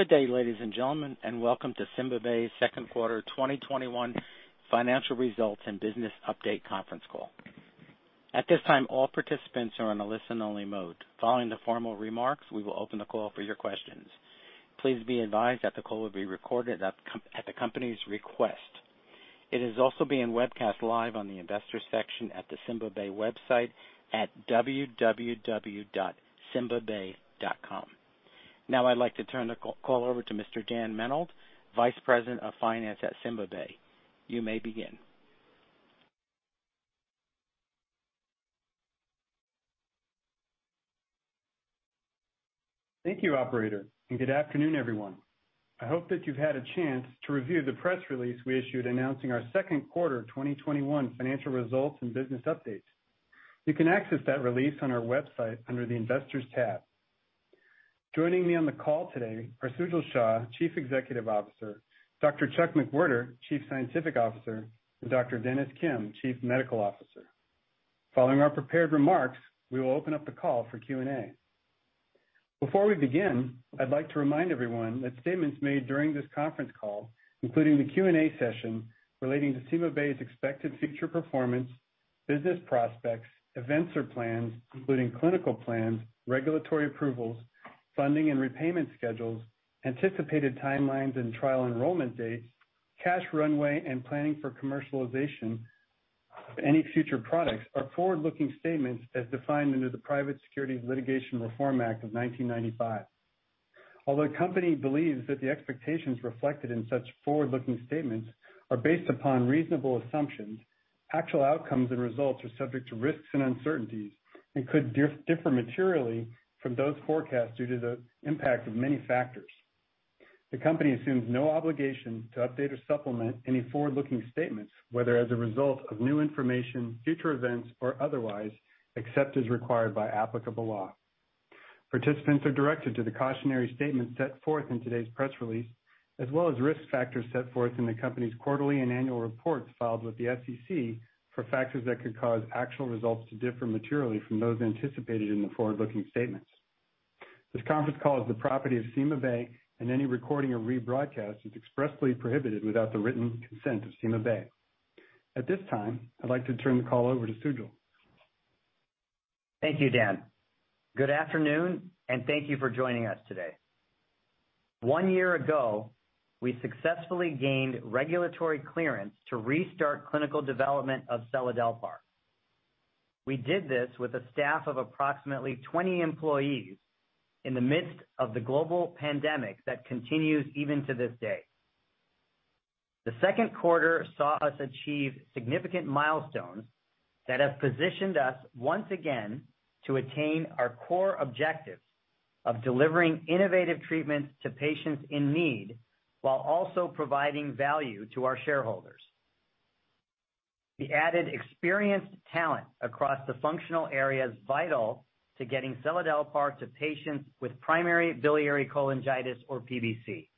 Good day, ladies and gentlemen, and welcome to CymaBay's Second Quarter 2021 Financial Results and Business Update Conference Call. At this time, all participants are on a listen only mode. Following the formal remarks, we will open the call for your questions. Please be advised that the call will be recorded at the company's request. It is also being webcast live on the investors section at the CymaBay website at www.cymabay.com. Now I'd like to turn the call over to Mr. Dan Menold, Vice President of Finance at CymaBay. You may begin. Thank you, operator, and good afternoon, everyone. I hope that you've had a chance to review the press release we issued announcing our second quarter 2021 financial results and business update. You can access that release on our website under the Investors tab. Joining me on the call today are Sujal Shah, Chief Executive Officer, Dr. Chuck McWherter, Chief Scientific Officer, and Dr. Dennis Kim, Chief Medical Officer. Following our prepared remarks, we will open up the call for Q&A. Before we begin, I'd like to remind everyone that statements made during this conference call, including the Q&A session relating to CymaBay's expected future performance, business prospects, events or plans, including clinical plans, regulatory approvals, funding and repayment schedules, anticipated timelines and trial enrollment dates, cash runway and planning for commercialization of any future products are forward-looking statements as defined under the Private Securities Litigation Reform Act of 1995. Although the company believes that the expectations reflected in such forward-looking statements are based upon reasonable assumptions, actual outcomes and results are subject to risks and uncertainties and could differ materially from those forecasts due to the impact of many factors. The company assumes no obligation to update or supplement any forward-looking statements, whether as a result of new information, future events, or otherwise, except as required by applicable law. Participants are directed to the cautionary statement set forth in today's press release, as well as risk factors set forth in the company's quarterly and annual reports filed with the SEC for factors that could cause actual results to differ materially from those anticipated in the forward-looking statements. This conference call is the property of CymaBay, and any recording or rebroadcast is expressly prohibited without the written consent of CymaBay. At this time, I'd like to turn the call over to Sujal. Thank you, Dan. Good afternoon, and thank you for joining us today. One year ago, we successfully gained regulatory clearance to restart clinical development of seladelpar. We did this with a staff of approximately 20 employees in the midst of the global pandemic that continues even to this day. The second quarter saw us achieve significant milestones that have positioned us once again to attain our core objective of delivering innovative treatments to patients in need, while also providing value to our shareholders. We added experienced talent across the functional areas vital to getting seladelpar to patients with primary biliary cholangitis or PBC.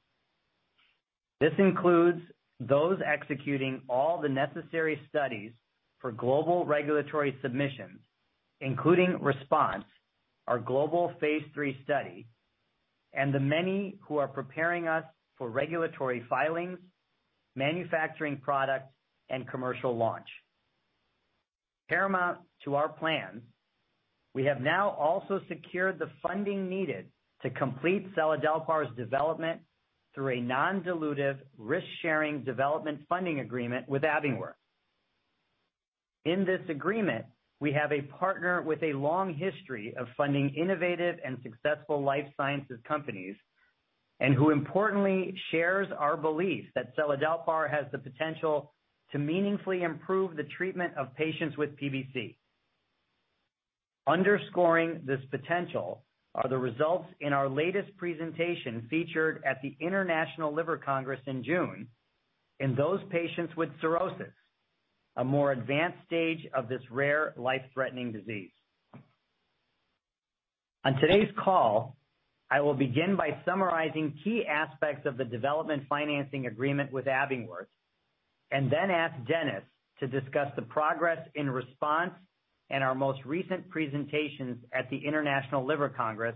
This includes those executing all the necessary studies for global regulatory submissions, including RESPONSE, our global phase III study, and the many who are preparing us for regulatory filings, manufacturing products, and commercial launch. Paramount to our plans, we have now also secured the funding needed to complete seladelpar's development through a non-dilutive risk-sharing development funding agreement with Abingworth. In this agreement, we have a partner with a long history of funding innovative and successful life sciences companies, and who importantly shares our belief that seladelpar has the potential to meaningfully improve the treatment of patients with PBC. Underscoring this potential are the results in our latest presentation featured at the International Liver Congress in June in those patients with cirrhosis, a more advanced stage of this rare life-threatening disease. On today's call, I will begin by summarizing key aspects of the development financing agreement with Abingworth and then ask Dennis to discuss the progress in RESPONSE and our most recent presentations at the International Liver Congress,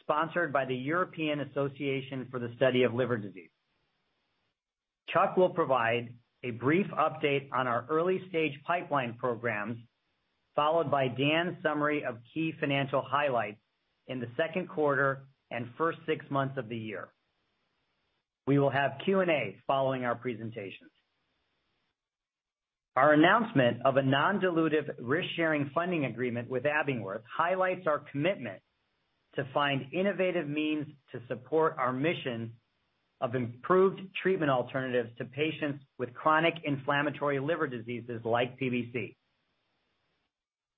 sponsored by the European Association for the Study of the Liver. Chuck will provide a brief update on our early-stage pipeline programs, followed by Dan's summary of key financial highlights in the 2nd quarter and first 6 months of the year. We will have Q&A following our presentations. Our announcement of a non-dilutive risk-sharing funding agreement with Abingworth highlights our commitment to find innovative means to support our mission of improved treatment alternatives to patients with chronic inflammatory liver diseases like PBC.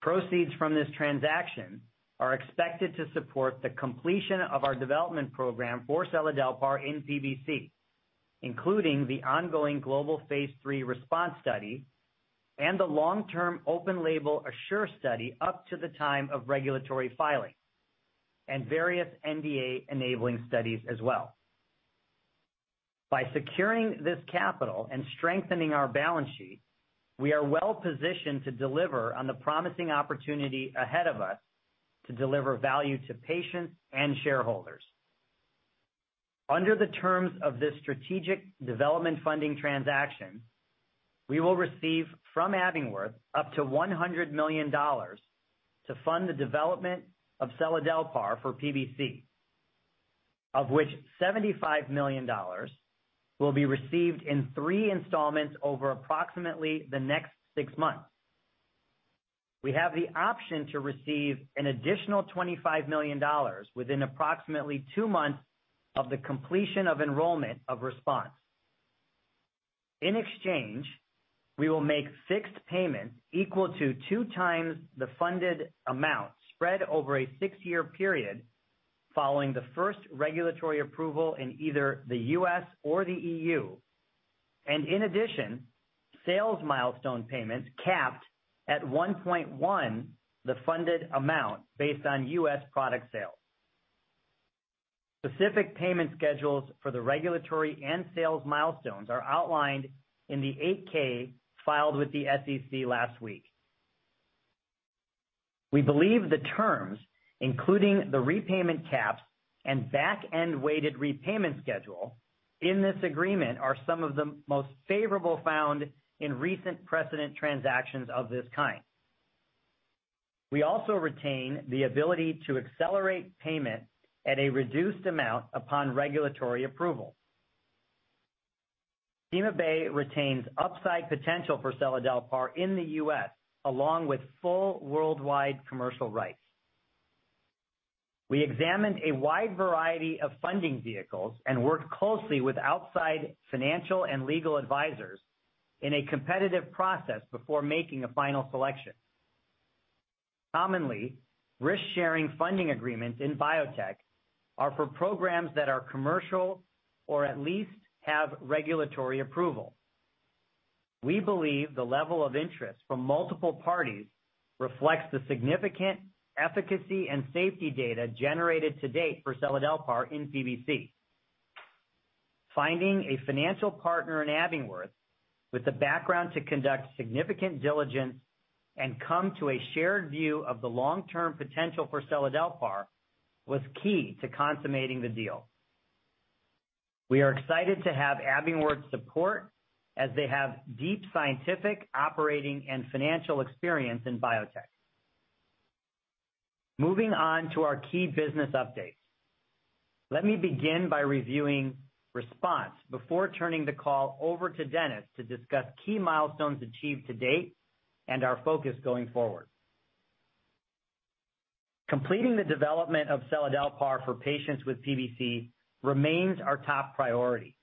Proceeds from this transaction are expected to support the completion of our development program for seladelpar in PBC, including the ongoing global phase III RESPONSE study and the long-term open label ASSURE study up to the time of regulatory filing and various NDA-enabling studies as well. By securing this capital and strengthening our balance sheet, we are well-positioned to deliver on the promising opportunity ahead of us to deliver value to patients and shareholders. Under the terms of this strategic development funding transaction, we will receive from Abingworth up to $100 million to fund the development of seladelpar for PBC, of which $75 million will be received in three installments over approximately the next six months. We have the option to receive an additional $25 million within approximately two months of the completion of enrollment of RESPONSE. In exchange, we will make fixed payments equal to 2x the funded amount spread over a six-year period following the first regulatory approval in either the U.S. or the EU. In addition, sales milestone payments capped at 1.1 the funded amount based on U.S. product sales. Specific payment schedules for the regulatory and sales milestones are outlined in the 8-K filed with the SEC last week. We believe the terms, including the repayment caps and back-end weighted repayment schedule in this agreement, are some of the most favorable found in recent precedent transactions of this kind. We also retain the ability to accelerate payment at a reduced amount upon regulatory approval. CymaBay retains upside potential for seladelpar in the U.S., along with full worldwide commercial rights. We examined a wide variety of funding vehicles and worked closely with outside financial and legal advisors in a competitive process before making a final selection. Commonly, risk-sharing funding agreements in biotech are for programs that are commercial or at least have regulatory approval. We believe the level of interest from multiple parties reflects the significant efficacy and safety data generated to date for seladelpar in PBC. Finding a financial partner in Abingworth with the background to conduct significant diligence and come to a shared view of the long-term potential for seladelpar was key to consummating the deal. We are excited to have Abingworth support as they have deep scientific operating and financial experience in biotech. Moving on to our key business updates. Let me begin by reviewing RESPONSE before turning the call over to Dennis to discuss key milestones achieved to date and our focus going forward. Completing the development of seladelpar for patients with PBC remains our top priority.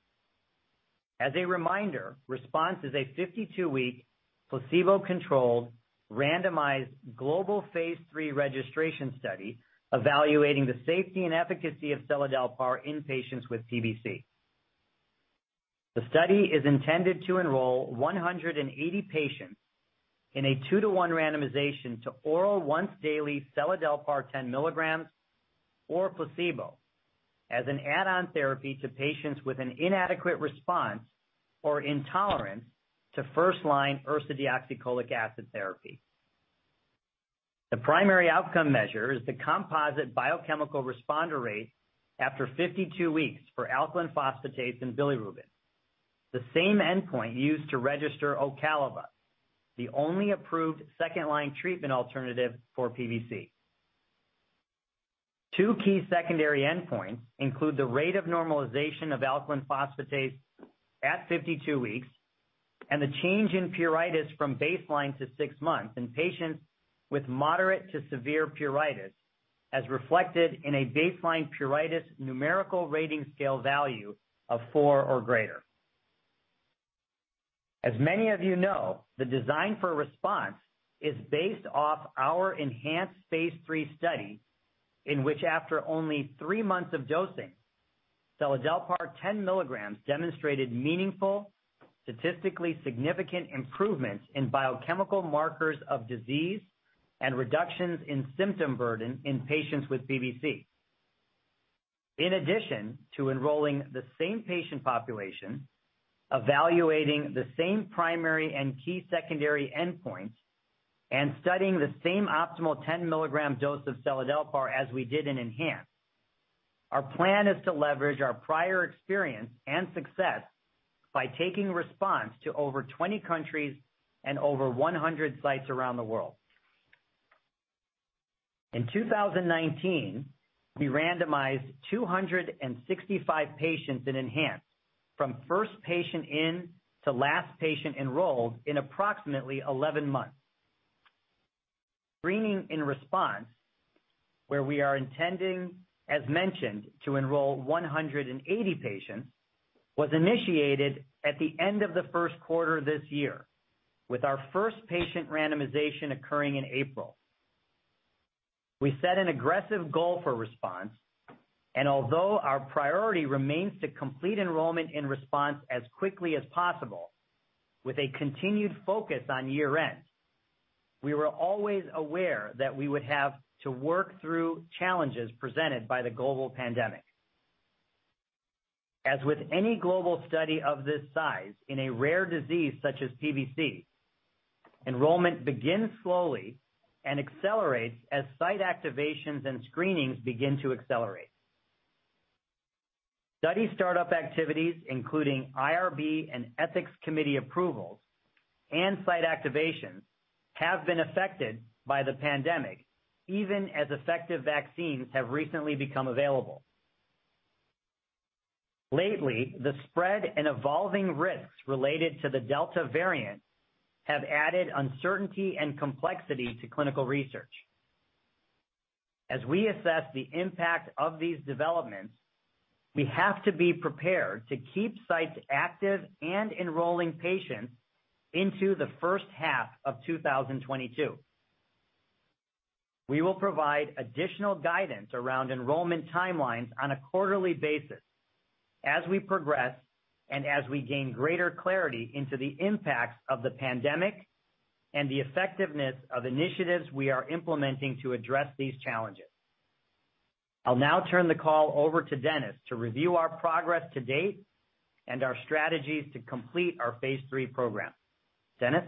As a reminder, RESPONSE is a 52-week placebo-controlled, randomized global phase III registration study evaluating the safety and efficacy of seladelpar in patients with PBC. The study is intended to enroll 180 patients in a 2:1 randomization to oral once-daily seladelpar 10 mg or placebo as an add-on therapy to patients with an inadequate response or intolerance to first-line ursodeoxycholic acid therapy. The primary outcome measure is the composite biochemical responder rate after 52 weeks for alkaline phosphatase and bilirubin, the same endpoint used to register OCALIVA, the only approved second-line treatment alternative for PBC. Two key secondary endpoints include the rate of normalization of alkaline phosphatase at 52 weeks and the change in pruritus from baseline to six months in patients with moderate to severe pruritus, as reflected in a baseline pruritus numerical rating scale value of four or greater. As many of you know, the design for RESPONSE is based off our ENHANCE phase III study, in which after only three months of dosing, seladelpar 10 mg demonstrated meaningful, statistically significant improvements in biochemical markers of disease and reductions in symptom burden in patients with PBC. In addition to enrolling the same patient population, evaluating the same primary and key secondary endpoints, and studying the same optimal 10-mg dose of seladelpar as we did in ENHANCE, our plan is to leverage our prior experience and success by taking RESPONSE to over 20 countries and over 100 sites around the world. In 2019, we randomized 265 patients in ENHANCE from first patient in to last patient enrolled in approximately 11 months. Screening in RESPONSE, where we are intending, as mentioned, to enroll 180 patients, was initiated at the end of the first quarter this year, with our first patient randomization occurring in April. We set an aggressive goal for RESPONSE, and although our priority remains to complete enrollment in RESPONSE as quickly as possible with a continued focus on year-end. We were always aware that we would have to work through challenges presented by the global pandemic. As with any global study of this size in a rare disease such as PBC, enrollment begins slowly and accelerates as site activations and screenings begin to accelerate. Study startup activities, including IRB and ethics committee approvals and site activations, have been affected by the pandemic, even as effective vaccines have recently become available. Lately, the spread and evolving risks related to the Delta variant have added uncertainty and complexity to clinical research. As we assess the impact of these developments, we have to be prepared to keep sites active and enrolling patients into the first half of 2022. We will provide additional guidance around enrollment timelines on a quarterly basis as we progress and as we gain greater clarity into the impacts of the pandemic and the effectiveness of initiatives we are implementing to address these challenges. I'll now turn the call over to Dennis to review our progress to date and our strategies to complete our phase III program. Dennis?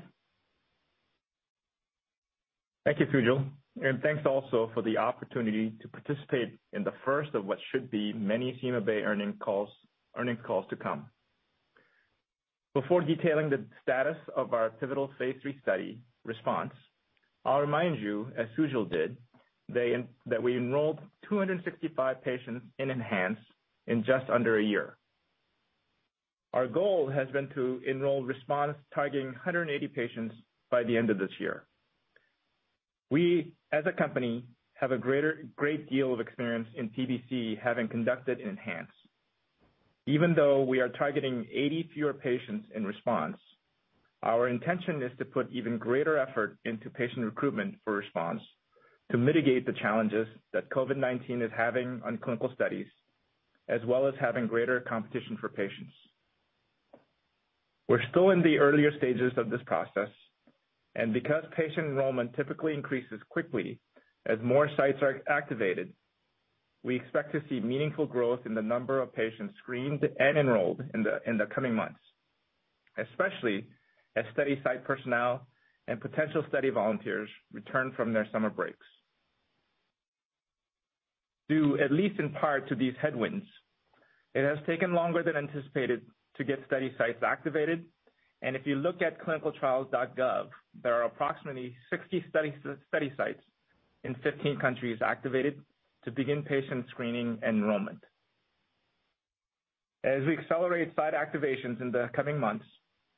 Thank you, Sujal, and thanks also for the opportunity to participate in the first of what should be many CymaBay earnings calls to come. Before detailing the status of our pivotal phase III study, RESPONSE, I'll remind you, as Sujal did, that we enrolled 265 patients in ENHANCE in just under a year. Our goal has been to enroll RESPONSE targeting 180 patients by the end of this year. We, as a company, have a great deal of experience in PBC, having conducted ENHANCE. Even though we are targeting 80 fewer patients in RESPONSE, our intention is to put even greater effort into patient recruitment for RESPONSE to mitigate the challenges that COVID-19 is having on clinical studies, as well as having greater competition for patients. We're still in the earlier stages of this process, because patient enrollment typically increases quickly as more sites are activated, we expect to see meaningful growth in the number of patients screened and enrolled in the coming months, especially as study site personnel and potential study volunteers return from their summer breaks. Due at least in part to these headwinds, it has taken longer than anticipated to get study sites activated, if you look at clinicaltrials.gov, there are approximately 60 study sites in 15 countries activated to begin patient screening and enrollment. As we accelerate site activations in the coming months,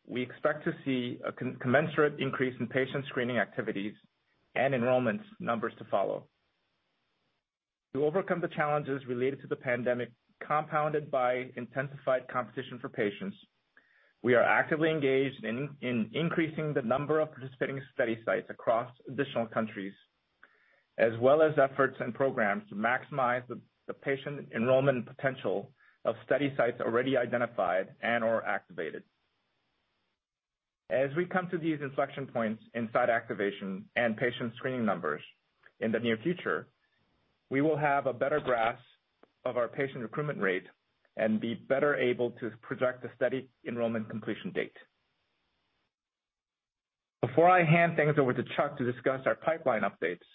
we expect to see a commensurate increase in patient screening activities and enrollment numbers to follow. To overcome the challenges related to the pandemic, compounded by intensified competition for patients, we are actively engaged in increasing the number of participating study sites across additional countries, as well as efforts and programs to maximize the patient enrollment potential of study sites already identified and/or activated. As we come to these inflection points in site activation and patient screening numbers in the near future, we will have a better grasp of our patient recruitment rate and be better able to project the study enrollment completion date. Before I hand things over to Chuck to discuss our pipeline updates,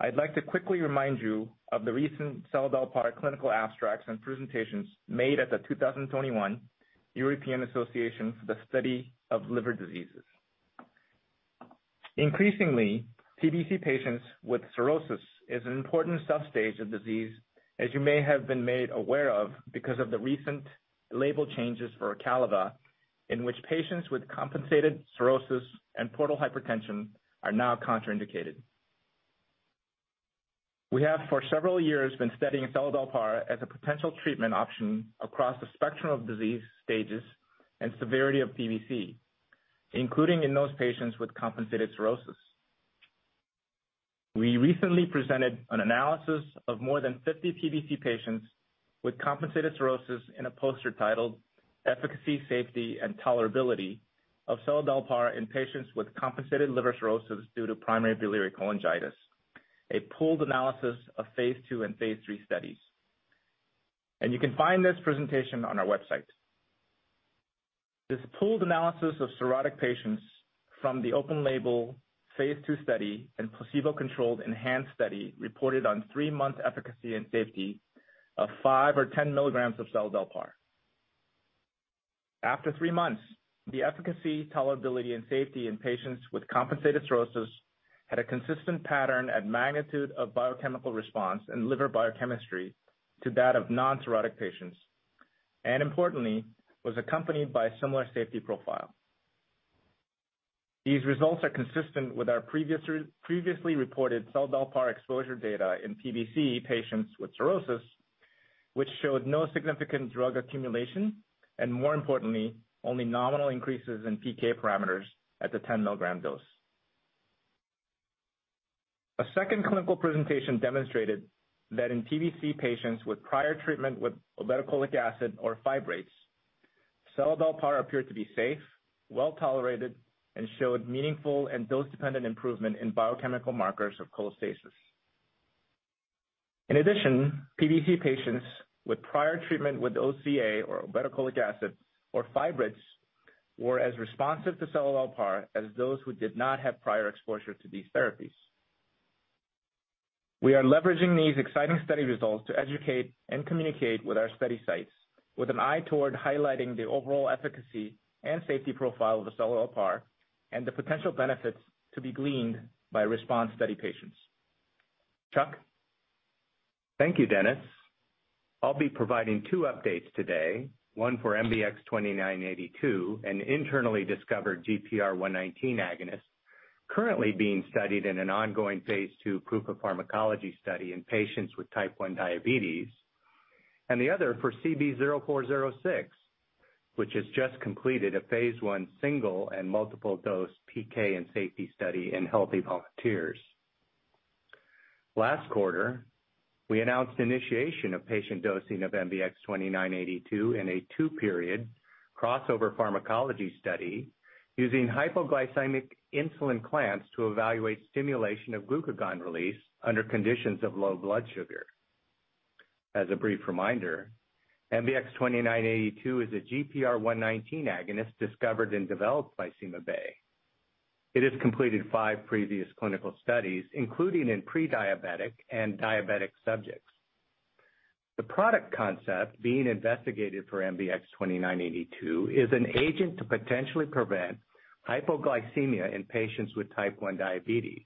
I'd like to quickly remind you of the recent seladelpar clinical abstracts and presentations made at the 2021 European Association for the Study of the Liver. Increasingly, PBC patients with cirrhosis is an important sub-stage of disease, as you may have been made aware of because of the recent label changes for OCALIVA, in which patients with compensated cirrhosis and portal hypertension are now contraindicated. We have for several years been studying seladelpar as a potential treatment option across the spectrum of disease stages and severity of PBC, including in those patients with compensated cirrhosis. We recently presented an analysis of more than 50 PBC patients with compensated cirrhosis in a poster titled "Efficacy, Safety, and Tolerability of Seladelpar in Patients With Compensated Liver Cirrhosis Due to Primary Biliary Cholangitis: A Pooled Analysis of phase II and phase III Studies." You can find this presentation on our website. This pooled analysis of cirrhotic patients from the open label phase II study and placebo-controlled ENHANCE study reported on three-month efficacy and safety of 5 mg or 10 mg of seladelpar. After three months, the efficacy, tolerability, and safety in patients with compensated cirrhosis had a consistent pattern at magnitude of biochemical response and liver biochemistry to that of non-cirrhotic patients, and importantly, was accompanied by a similar safety profile. These results are consistent with our previously reported seladelpar exposure data in PBC patients with cirrhosis, which showed no significant drug accumulation, and more importantly, only nominal increases in PK parameters at the 10-mg dose. A second clinical presentation demonstrated that in PBC patients with prior treatment with ursodeoxycholic acid or fibrates, seladelpar appeared to be safe, well-tolerated, and showed meaningful and dose-dependent improvement in biochemical markers of cholestasis. In addition, PBC patients with prior treatment with OCA or ursodeoxycholic acid or fibrates were as responsive to seladelpar as those who did not have prior exposure to these therapies. We are leveraging these exciting study results to educate and communicate with our study sites with an eye toward highlighting the overall efficacy and safety profile of seladelpar and the potential benefits to be gleaned by RESPONSE study patients. Chuck? Thank you, Dennis. I'll be providing two updates today, one for MBX-2982, an internally discovered GPR119 agonist currently being studied in an ongoing phase II proof of pharmacology study in patients with Type 1 diabetes. The other for CB-0406, which has just completed a phase I single and multiple-dose PK and safety study in healthy volunteers. Last quarter, we announced initiation of patient dosing of MBX-2982 in a two-period crossover pharmacology study using hypoglycemic insulin clamps to evaluate stimulation of glucagon release under conditions of low blood sugar. As a brief reminder, MBX-2982 is a GPR119 agonist discovered and developed by CymaBay. It has completed five previous clinical studies, including in pre-diabetic and diabetic subjects. The product concept being investigated for MBX-2982 is an agent to potentially prevent hypoglycemia in patients with Type 1 diabetes.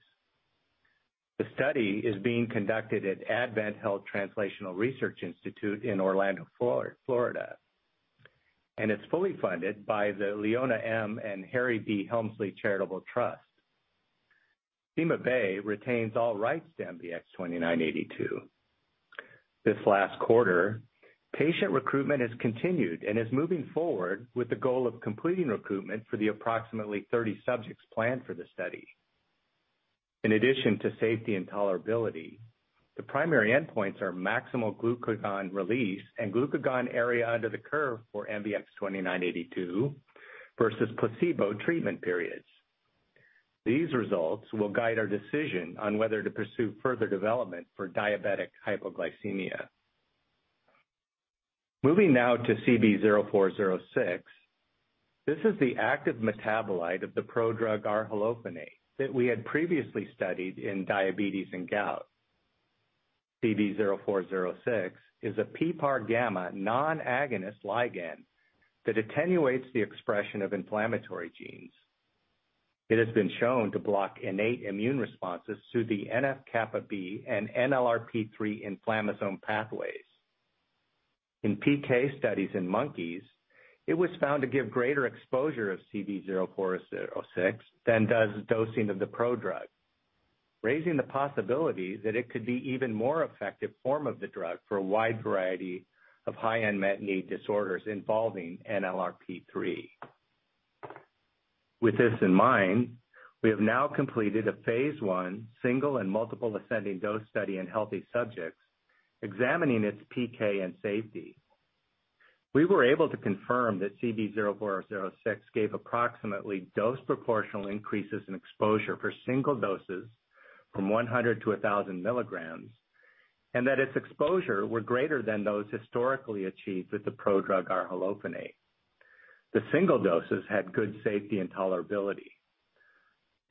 The study is being conducted at AdventHealth Translational Research Institute in Orlando, Florida. It's fully funded by the Leona M. and Harry B. Helmsley Charitable Trust. CymaBay retains all rights to MBX-2982. This last quarter, patient recruitment has continued and is moving forward with the goal of completing recruitment for the approximately 30 subjects planned for the study. In addition to safety and tolerability, the primary endpoints are maximal glucagon release and glucagon area under the curve for MBX-2982 versus placebo treatment periods. These results will guide our decision on whether to pursue further development for diabetic hypoglycemia. Moving now to CB-0406. This is the active metabolite of the prodrug arhalofenate that we had previously studied in diabetes and gout. CB-0406 is a PPAR-gamma non-agonist ligand that attenuates the expression of inflammatory genes. It has been shown to block innate immune responses through the NF-κB and NLRP3 inflammasome pathways. In PK studies in monkeys, it was found to give greater exposure of CB-0406 than does dosing of the prodrug, raising the possibility that it could be an even more effective form of the drug for a wide variety of high-unmet-need disorders involving NLRP3. With this in mind, we have now completed a phase I single and multiple ascending dose study in healthy subjects examining its PK and safety. We were able to confirm that CB-0406 gave approximately dose proportional increases in exposure for single doses from 100 to 1,000 mg, and that its exposure were greater than those historically achieved with the prodrug arhalofenate. The single doses had good safety and tolerability.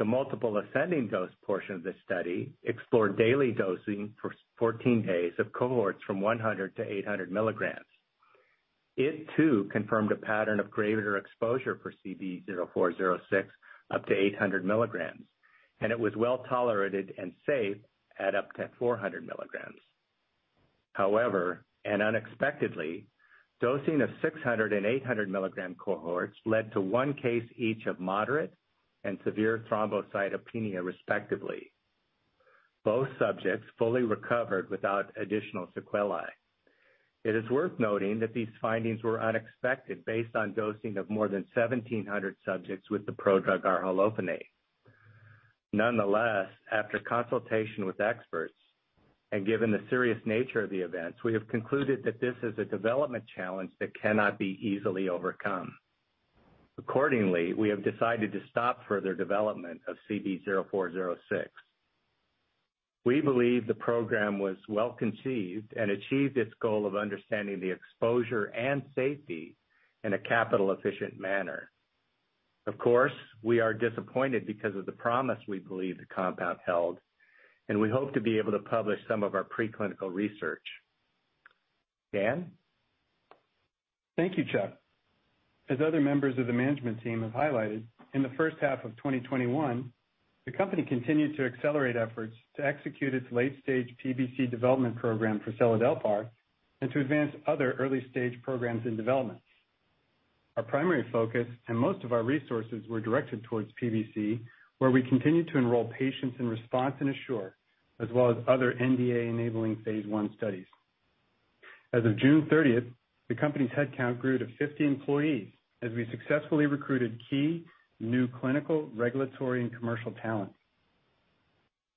The multiple ascending dose portion of the study explored daily dosing for 14 days of cohorts from 100-800 mg. It too confirmed a pattern of greater exposure for CB-0406 up to 800 mg, and it was well-tolerated and safe at up to 400 mg. However, unexpectedly, dosing of 600-mg and 800-mg cohorts led to 1 case each of moderate and severe thrombocytopenia respectively. Both subjects fully recovered without additional sequelae. It is worth noting that these findings were unexpected based on dosing of more than 1,700 subjects with the prodrug arhalofenate. Nonetheless, after consultation with experts and given the serious nature of the events, we have concluded that this is a development challenge that cannot be easily overcome. Accordingly, we have decided to stop further development of CB-0406. We believe the program was well-conceived and achieved its goal of understanding the exposure and safety in a capital-efficient manner. Of course, we are disappointed because of the promise we believe the compound held, and we hope to be able to publish some of our pre-clinical research. Dan? Thank you, Chuck. As other members of the management team have highlighted, in the first half of 2021, the company continued to accelerate efforts to execute its late-stage PBC development program for seladelpar and to advance other early-stage programs in development. Our primary focus and most of our resources were directed towards PBC, where we continued to enroll patients in RESPONSE and ASSURE, as well as other NDA-enabling phase I studies. As of June 30th, the company's headcount grew to 50 employees as we successfully recruited key new clinical, regulatory, and commercial talent.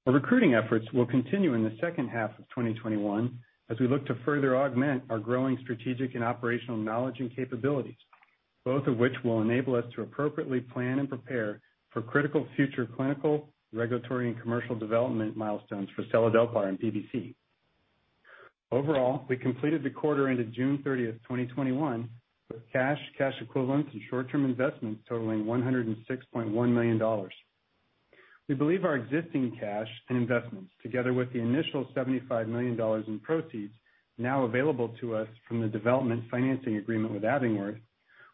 Our recruiting efforts will continue in the second half of 2021, as we look to further augment our growing strategic and operational knowledge and capabilities. Both of which will enable us to appropriately plan and prepare for critical future clinical, regulatory, and commercial development milestones for seladelpar in PBC. Overall, we completed the quarter ended June 30th, 2021, with cash equivalents, and short-term investments totaling $106.1 million. We believe our existing cash and investments, together with the initial $75 million in proceeds now available to us from the development financing agreement with Abingworth,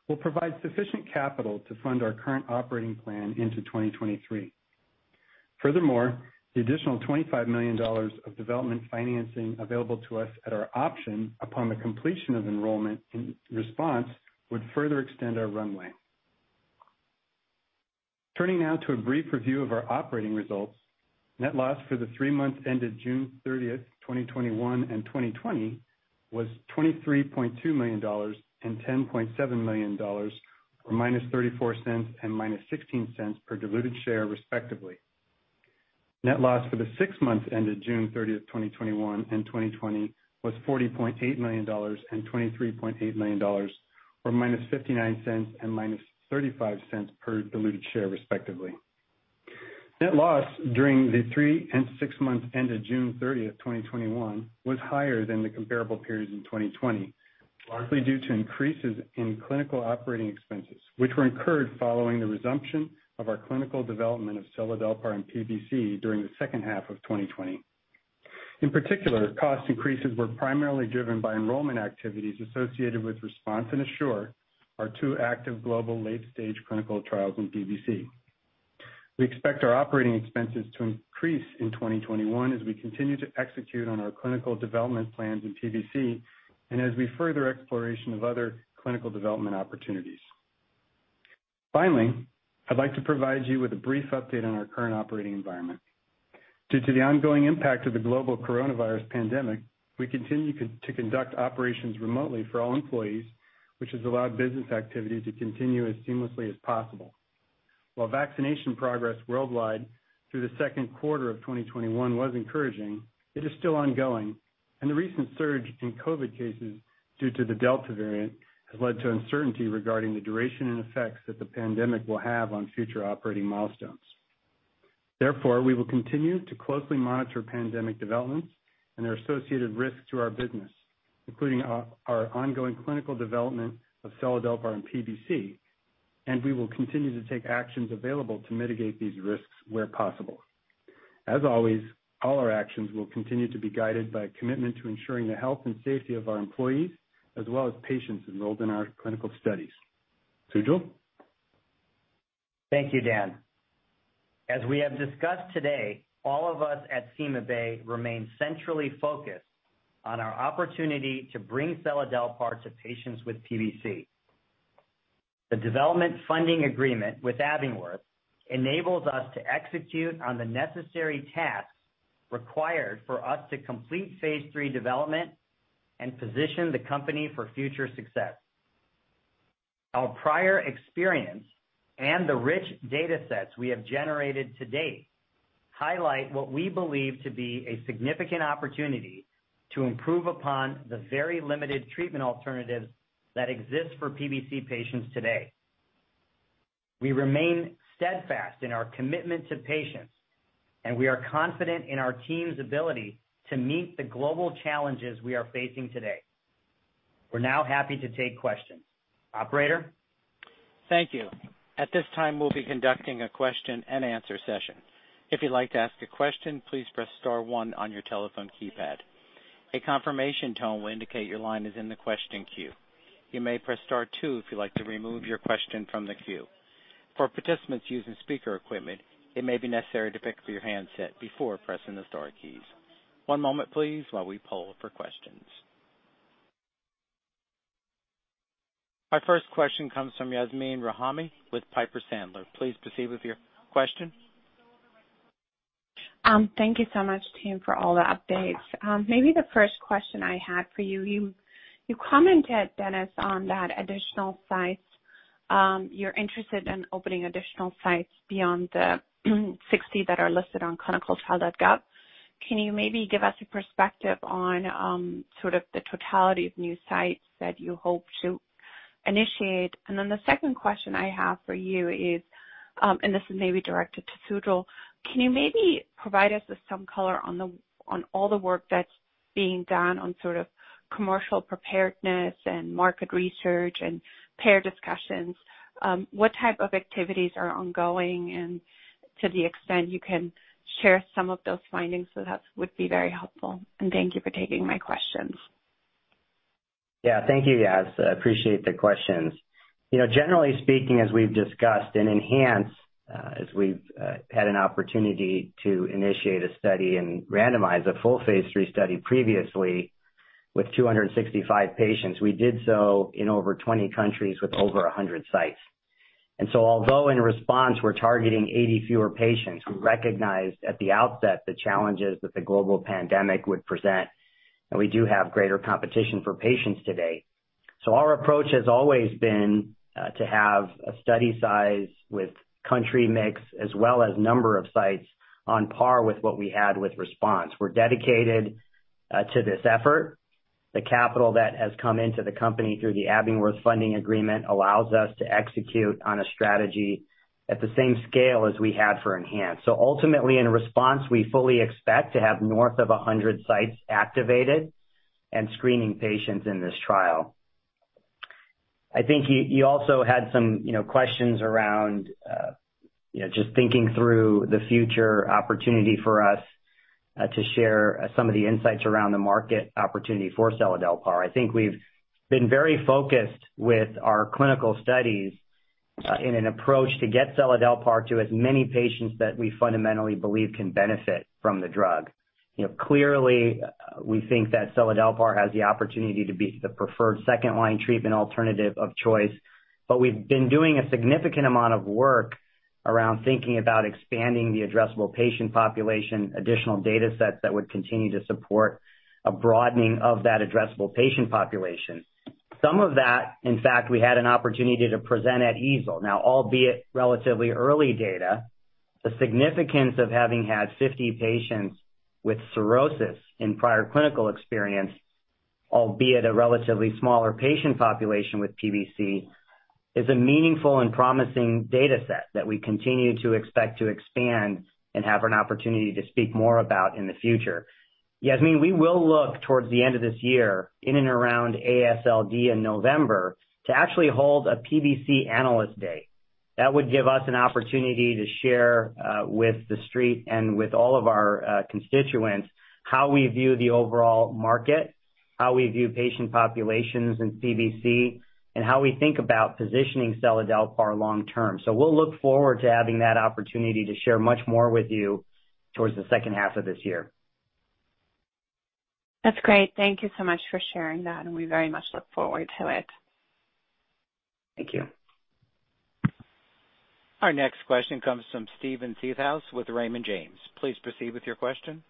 will provide sufficient capital to fund our current operating plan into 2023. Furthermore, the additional $25 million of development financing available to us at our option upon the completion of enrollment in RESPONSE would further extend our runway. Turning now to a brief review of our operating results. Net loss for the three months ended June 30th, 2021, and 2020 was $23.2 million and $10.7 million, or -$0.34 and -$0.16 per diluted share, respectively. Net loss for the six months ended June 30th, 2021, and 2020 was $40.8 million and $23.8 million, or -$0.59 and -$0.35 per diluted share, respectively. Net loss during the three and six months ended June 30th, 2021, was higher than the comparable periods in 2020, largely due to increases in clinical operating expenses, which were incurred following the resumption of our clinical development of seladelpar in PBC during the second half of 2020. In particular, cost increases were primarily driven by enrollment activities associated with RESPONSE and ASSURE, our two active global late-stage clinical trials in PBC. We expect our operating expenses to increase in 2021 as we continue to execute on our clinical development plans in PBC and as we further exploration of other clinical development opportunities. I'd like to provide you with a brief update on our current operating environment. Due to the ongoing impact of the global COVID-19 pandemic, we continue to conduct operations remotely for all employees, which has allowed business activity to continue as seamlessly as possible. While vaccination progress worldwide through the second quarter of 2021 was encouraging, it is still ongoing, and the recent surge in COVID-19 cases due to the Delta variant has led to uncertainty regarding the duration and effects that the pandemic will have on future operating milestones. We will continue to closely monitor pandemic developments and their associated risks to our business, including our ongoing clinical development of seladelpar in PBC, and we will continue to take actions available to mitigate these risks where possible. As always, all our actions will continue to be guided by a commitment to ensuring the health and safety of our employees, as well as patients enrolled in our clinical studies. Sujal? Thank you, Dan. As we have discussed today, all of us at CymaBay remain centrally focused on our opportunity to bring seladelpar to patients with PBC. The development funding agreement with Abingworth enables us to execute on the necessary tasks required for us to complete phase III development and position the company for future success. Our prior experience and the rich data sets we have generated to date highlight what we believe to be a significant opportunity to improve upon the very limited treatment alternatives that exist for PBC patients today. We remain steadfast in our commitment to patients, and we are confident in our team's ability to meet the global challenges we are facing today. We're now happy to take questions. Operator? Our first question comes from Yasmeen Rahimi with Piper Sandler. Please proceed with your question. Thank you so much, team, for all the updates. Maybe the first question I had for you. You commented, Dennis, on that additional sites. You're interested in opening additional sites beyond the 60 that are listed on ClinicalTrials.gov. Can you maybe give us a perspective on sort of the totality of new sites that you hope to initiate? The second question I have for you is, and this is maybe directed to Sujal, can you maybe provide us with some color on all the work that's being done on sort of commercial preparedness and market research and peer discussions? What type of activities are ongoing? To the extent you can share some of those findings, that would be very helpful. Thank you for taking my questions. Yeah. Thank you, Yas. I appreciate the questions. Generally speaking, as we've discussed in ENHANCE, as we've had an opportunity to initiate a study and randomize a full phase III study previously with 265 patients, we did so in over 20 countries with over 100 sites. Although in RESPONSE we're targeting 80 fewer patients, we recognized at the outset the challenges that the global pandemic would present, and we do have greater competition for patients today. Our approach has always been to have a study size with country mix as well as number of sites on par with what we had with RESPONSE. We're dedicated to this effort. The capital that has come into the company through the Abingworth funding agreement allows us to execute on a strategy at the same scale as we had for ENHANCE. Ultimately in RESPONSE, we fully expect to have north of 100 sites activated and screening patients in this trial. I think you also had some questions around just thinking through the future opportunity for us to share some of the insights around the market opportunity for seladelpar. I think we've been very focused with our clinical studies in an approach to get seladelpar to as many patients that we fundamentally believe can benefit from the drug. Clearly, we think that seladelpar has the opportunity to be the preferred second-line treatment alternative of choice. We've been doing a significant amount of work around thinking about expanding the addressable patient population, additional data sets that would continue to support a broadening of that addressable patient population. Some of that, in fact, we had an opportunity to present at EASL. Now, albeit relatively early data, the significance of having had 50 patients with cirrhosis in prior clinical experience, albeit a relatively smaller patient population with PBC, is a meaningful and promising data set that we continue to expect to expand and have an opportunity to speak more about in the future. Yasmeen, we will look towards the end of this year in and around AASLD in November to actually hold a PBC Analyst Day. That would give us an opportunity to share with the Street and with all of our constituents how we view the overall market, how we view patient populations in PBC, and how we think about positioning seladelpar long term. We'll look forward to having that opportunity to share much more with you towards the second half of this year. That's great. Thank you so much for sharing that, and we very much look forward to it. Thank you. Our next question comes from Steve Seedhouse with Raymond James. Please proceed with your question.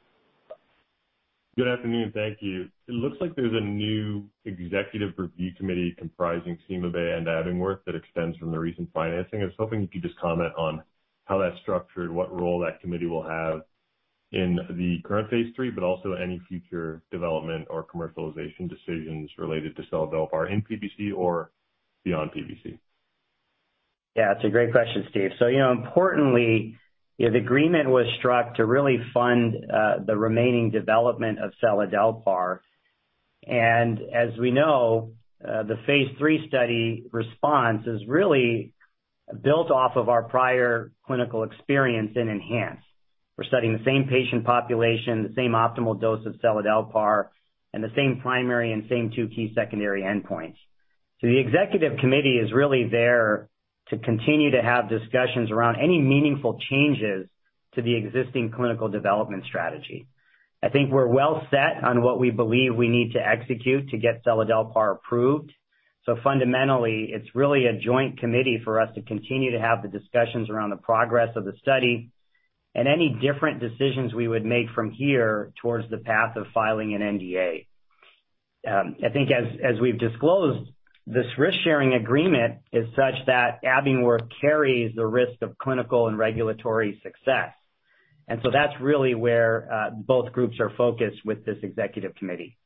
Good afternoon. Thank you. It looks like there's a new executive review committee comprising CymaBay and Abingworth that extends from the recent financing. I was hoping you could just comment on how that's structured, what role that committee will have in the current phase III, but also any future development or commercialization decisions related to seladelpar in PBC or beyond PBC. Yeah, it's a great question, Steve. Importantly, the agreement was struck to really fund the remaining development of seladelpar. As we know, the phase III study RESPONSE is really built off of our prior clinical experience in ENHANCE. We're studying the same patient population, the same optimal dose of seladelpar, and the same primary and same two key secondary endpoints. The executive committee is really there to continue to have discussions around any meaningful changes to the existing clinical development strategy. I think we're well set on what we believe we need to execute to get seladelpar approved. Fundamentally, it's really a joint committee for us to continue to have the discussions around the progress of the study and any different decisions we would make from here towards the path of filing an NDA. I think as we've disclosed, this risk-sharing agreement is such that Abingworth carries the risk of clinical and regulatory success. That's really where both groups are focused with this executive committee.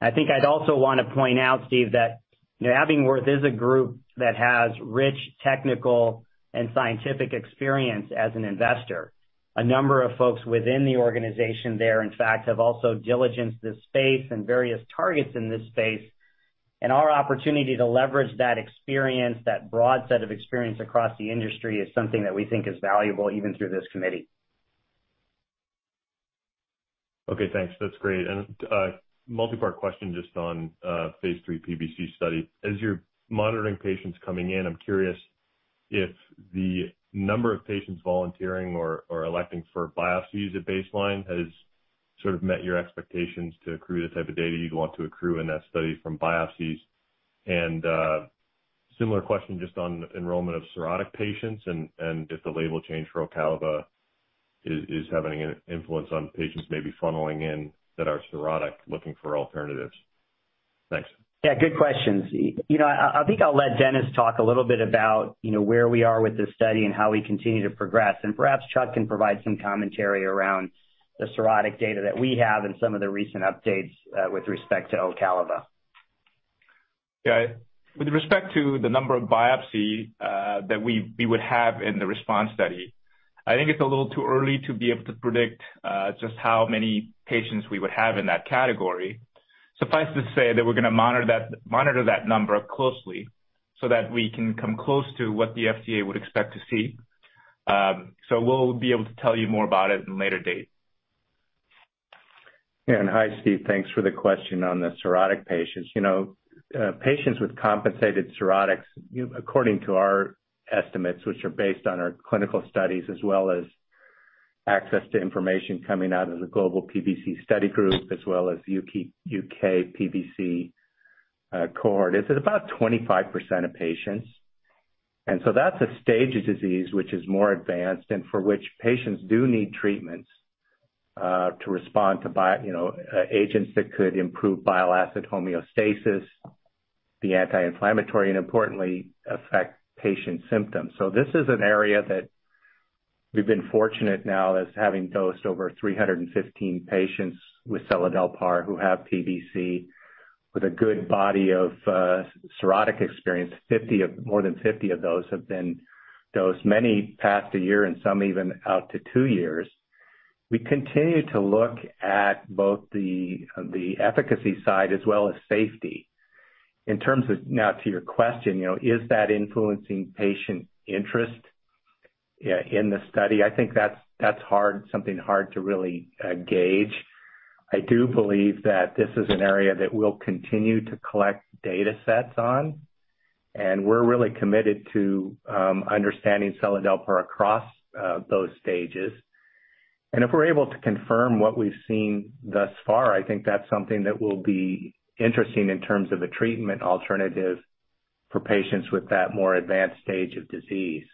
I think I'd also want to point out, Steve, that Abingworth is a group that has rich technical and scientific experience as an investor. A number of folks within the organization there, in fact, have also diligenced this space and various targets in this space, and our opportunity to leverage that experience, that broad set of experience across the industry, is something that we think is valuable even through this committee. Okay, thanks. That's great. A multi-part question just on phase III PBC study. As you're monitoring patients coming in, I'm curious if the number of patients volunteering or electing for biopsies at baseline has sort of met your expectations to accrue the type of data you'd want to accrue in that study from biopsies? A similar question just on enrollment of cirrhotic patients and if the label change for OCALIVA is having an influence on patients maybe funneling in that are cirrhotic looking for alternatives. Thanks. Yeah, good questions. I think I'll let Dennis talk a little bit about where we are with the study and how we continue to progress, and perhaps Chuck can provide some commentary around the cirrhotic data that we have and some of the recent updates with respect to OCALIVA. Yeah. With respect to the number of biopsies that we would have in the RESPONSE study, I think it's a little too early to be able to predict just how many patients we would have in that category. Suffice to say that we're going to monitor that number closely so that we can come close to what the FDA would expect to see. We'll be able to tell you more about it at a later date. Yeah. Hi, Steve. Thanks for the question on the cirrhotic patients. Patients with compensated cirrhotics, according to our estimates, which are based on our clinical studies as well as information coming out of the Global PBC Study Group as well as UK-PBC cohort is at about 25% of patients. That's a stage of disease which is more advanced and for which patients do need treatments to respond to agents that could improve bile acid homeostasis, be anti-inflammatory, and importantly, affect patient symptoms. This is an area that we've been fortunate now as having dosed over 315 patients with seladelpar who have PBC with a good body of cirrhotic experience. More than 50 of those have been dosed, many past a year and some even out to two years. We continue to look at both the efficacy side as well as safety. In terms of, now to your question, is that influencing patient interest in the study? I think that's something hard to really gauge. I do believe that this is an area that we'll continue to collect data sets on, and we're really committed to understanding seladelpar across those stages. If we're able to confirm what we've seen thus far, I think that's something that will be interesting in terms of a treatment alternative for patients with that more advanced stage of disease.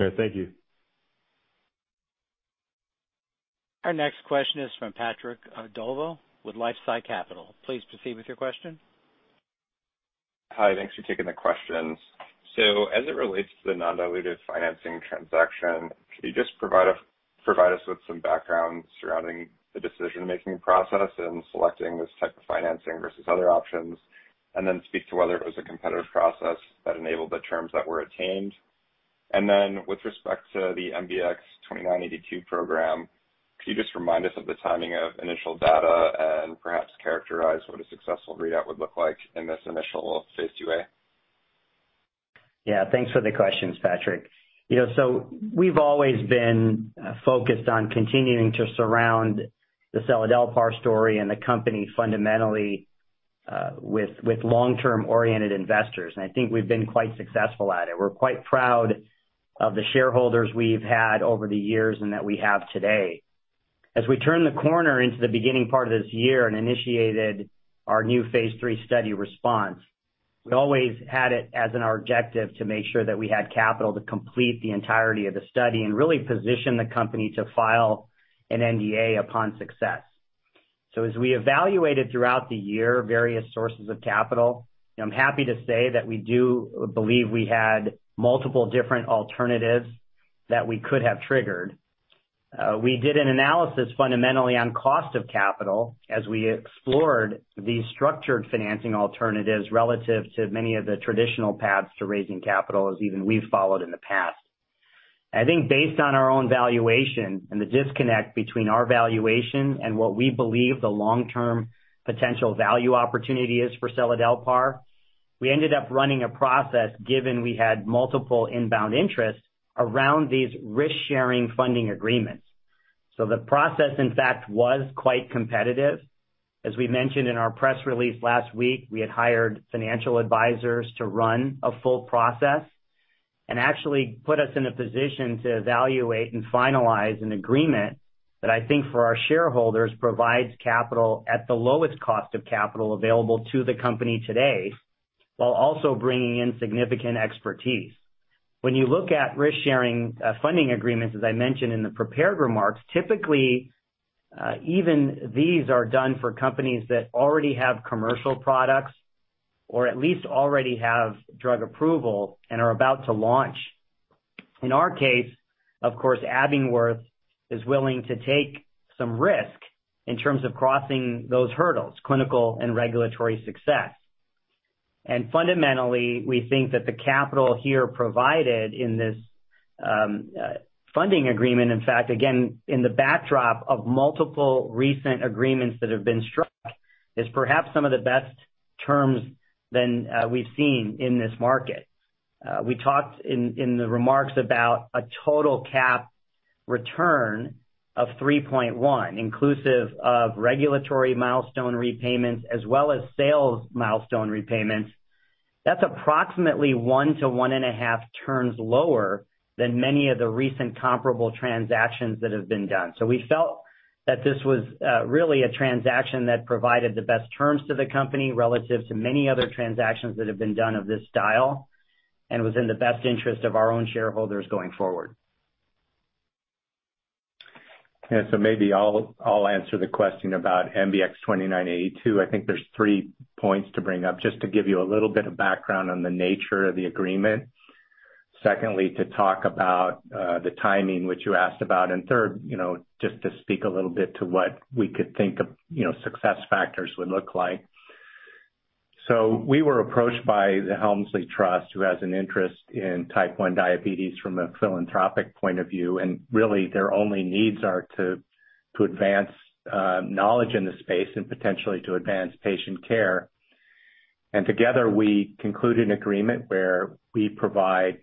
Okay, thank you. Our next question is from Patrick Dolezal with LifeSci Capital. Please proceed with your question. Hi, thanks for taking the questions. As it relates to the non-dilutive financing transaction, can you just provide us with some background surrounding the decision-making process in selecting this type of financing versus other options, and then speak to whether it was a competitive process that enabled the terms that were attained? With respect to the MBX-2982 program, could you just remind us of the timing of initial data and perhaps characterize what a successful readout would look like in this initial phase II-A? Thanks for the questions, Patrick. We've always been focused on continuing to surround the seladelpar story and the company fundamentally with long-term oriented investors. I think we've been quite successful at it. We're quite proud of the shareholders we've had over the years and that we have today. As we turn the corner into the beginning part of this year and initiated our new phase III study RESPONSE, we always had it as an objective to make sure that we had capital to complete the entirety of the study and really position the company to file an NDA upon success. As we evaluated throughout the year various sources of capital, I'm happy to say that we do believe we had multiple different alternatives that we could have triggered. We did an analysis fundamentally on cost of capital as we explored these structured financing alternatives relative to many of the traditional paths to raising capital as even we've followed in the past. I think based on our own valuation and the disconnect between our valuation and what we believe the long-term potential value opportunity is for seladelpar, we ended up running a process given we had multiple inbound interests around these risk-sharing funding agreements. The process, in fact, was quite competitive. As we mentioned in our press release last week, we had hired financial advisors to run a full process and actually put us in a position to evaluate and finalize an agreement that I think for our shareholders provides capital at the lowest cost of capital available to the company today, while also bringing in significant expertise. When you look at risk-sharing funding agreements, as I mentioned in the prepared remarks, typically even these are done for companies that already have commercial products or at least already have drug approval and are about to launch. In our case, of course, Abingworth is willing to take some risk in terms of crossing those hurdles, clinical and regulatory success. Fundamentally, we think that the capital here provided in this funding agreement, in fact, again, in the backdrop of multiple recent agreements that have been struck, is perhaps some of the best terms than we've seen in this market. We talked in the remarks about a total cap return of 3.1 inclusive of regulatory milestone repayments as well as sales milestone repayments. That's approximately one to one and a half turns lower than many of the recent comparable transactions that have been done. We felt that this was really a transaction that provided the best terms to the company relative to many other transactions that have been done of this style and was in the best interest of our own shareholders going forward. Yeah. Maybe I'll answer the question about MBX-2982. I think there's three points to bring up just to give you a little bit of background on the nature of the agreement. Secondly, to talk about the timing, which you asked about, and third, just to speak a little bit to what we could think of success factors would look like. We were approached by the Helmsley Trust, who has an interest in Type 1 diabetes from a philanthropic point of view. Really their only needs are to advance knowledge in the space and potentially to advance patient care. Together we concluded an agreement where we provide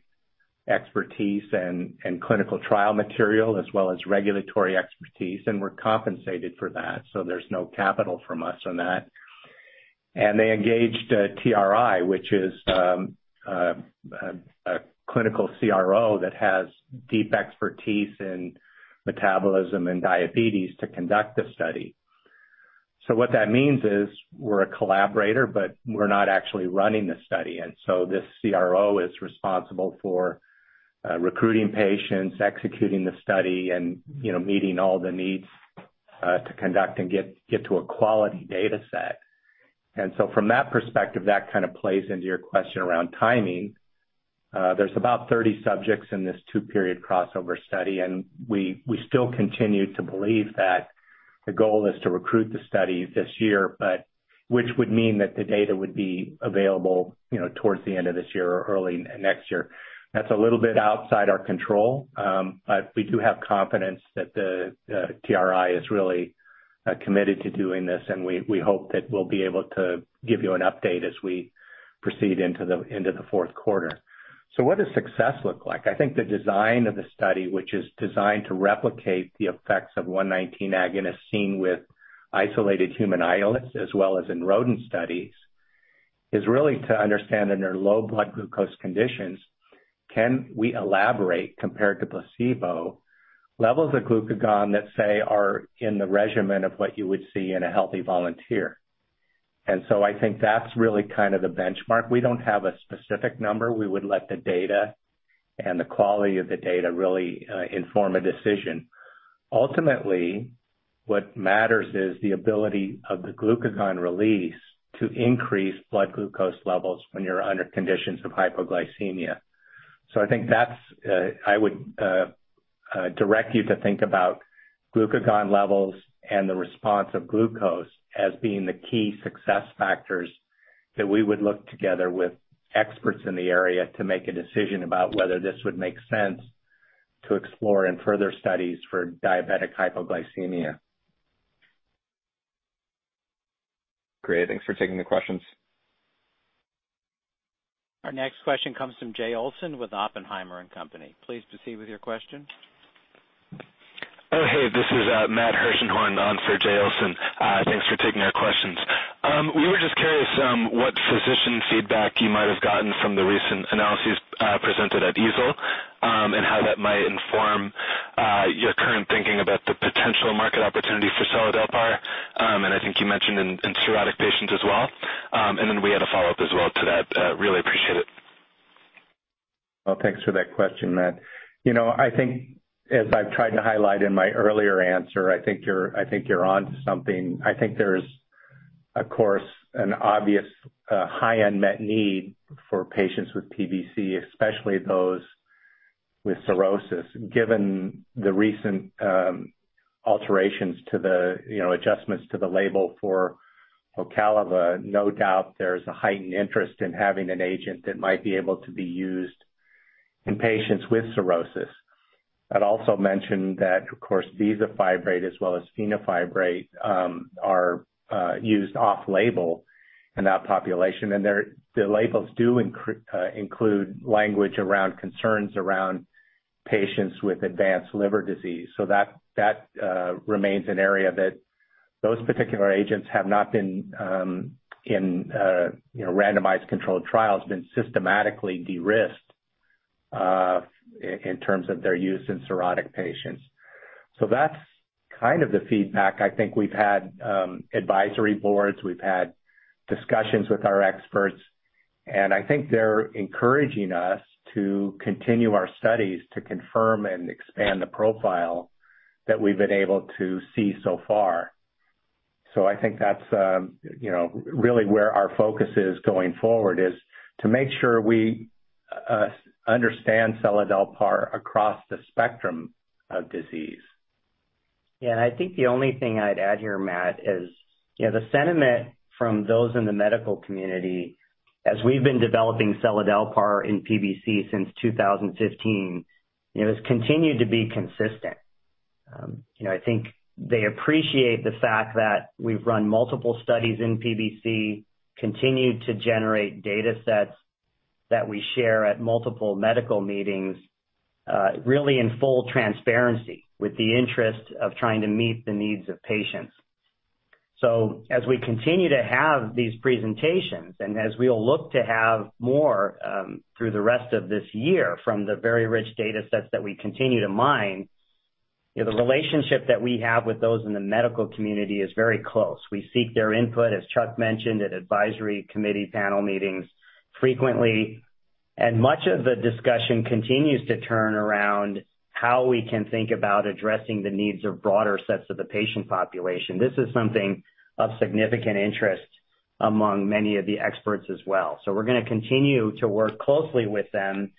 expertise and clinical trial material as well as regulatory expertise, and we're compensated for that. There's no capital from us on that. They engaged TRI, which is a clinical CRO that has deep expertise in metabolism and diabetes to conduct the study. What that means is we're a collaborator, but we're not actually running the study. This CRO is responsible for recruiting patients, executing the study, and meeting all the needs to conduct and get to a quality data set. From that perspective, that kind of plays into your question around timing. There's about 30 subjects in this two-period crossover study, we still continue to believe that the goal is to recruit the study this year, which would mean that the data would be available towards the end of this year or early next year. That's a little bit outside our control, we do have confidence that the TRI is really committed to doing this, we hope that we'll be able to give you an update as we proceed into the fourth quarter. What does success look like? I think the design of the study, which is designed to replicate the effects of 119 agonist seen with isolated human islets as well as in rodent studies, is really to understand under low blood glucose conditions, can we elaborate, compared to placebo, levels of glucagon that, say, are in the regimen of what you would see in a healthy volunteer. I think that's really kind of the benchmark. We don't have a specific number. We would let the data and the quality of the data really inform a decision. Ultimately, what matters is the ability of the glucagon release to increase blood glucose levels when you're under conditions of hypoglycemia. I think I would direct you to think about glucagon levels and the response of glucose as being the key success factors that we would look together with experts in the area to make a decision about whether this would make sense to explore in further studies for diabetic hypoglycemia. Great. Thanks for taking the questions. Our next question comes from Jay Olson with Oppenheimer & Co. Please proceed with your question. Oh, hey, this is Matt Hershenhorn on for Jay Olson. Thanks for taking our questions. We were just curious what physician feedback you might have gotten from the recent analyses presented at EASL and how that might inform your current thinking about the potential market opportunity for seladelpar, and I think you mentioned in cirrhotic patients as well. Then we had a follow-up as well to that. Really appreciate it. Thanks for that question, Matt. I think as I've tried to highlight in my earlier answer, I think you're onto something. I think there's, of course, an obvious high unmet need for patients with PBC, especially those with cirrhosis, given the recent alterations to the adjustments to the label for OCALIVA. No doubt there's a heightened interest in having an agent that might be able to be used in patients with cirrhosis. I'd also mention that, of course, bezafibrate as well as fenofibrate are used off-label in that population, and the labels do include language around concerns around patients with advanced liver disease. That remains an area that those particular agents have not been in randomized controlled trials, been systematically de-risked in terms of their use in cirrhotic patients. That's kind of the feedback. I think we've had advisory boards. We've had discussions with our experts, and I think they're encouraging us to continue our studies to confirm and expand the profile that we've been able to see so far. I think that's really where our focus is going forward, is to make sure we understand seladelpar across the spectrum of disease. I think the only thing I'd add here, Matt, is the sentiment from those in the medical community as we've been developing seladelpar in PBC since 2015, has continued to be consistent. I think they appreciate the fact that we've run multiple studies in PBC, continued to generate data sets that we share at multiple medical meetings, really in full transparency with the interest of trying to meet the needs of patients. As we continue to have these presentations, and as we'll look to have more through the rest of this year from the very rich data sets that we continue to mine, the relationship that we have with those in the medical community is very close. We seek their input, as Chuck mentioned, at advisory committee panel meetings frequently, and much of the discussion continues to turn around how we can think about addressing the needs of broader sets of the patient population. This is something of significant interest among many of the experts as well. We're going to continue to work closely with them